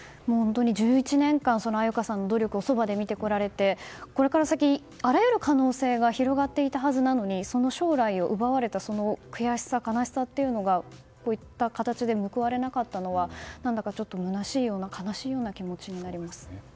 １１年間、安優香さんの努力をそばで見てこられてこれから先、あらゆる可能性が広がっていたはずなのにその将来を奪われたくやしさ悲しさというのがこういった形で報われなかったのは、何だかむなしいような、悲しいような気持ちになります。